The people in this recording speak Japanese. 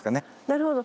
なるほど。